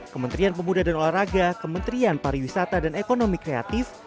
kementerian pemuda dan olahraga kementerian pariwisata dan ekonomi kreatif